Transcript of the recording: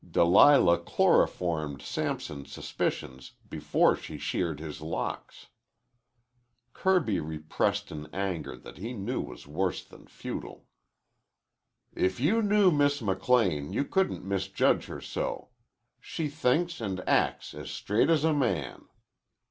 "Delilah chloroformed Samson's suspicions before she sheared his locks." Kirby repressed an anger that he knew was worse than futile. "It you knew Miss McLean you couldn't misjudge her so. She thinks an' acts as straight as a man."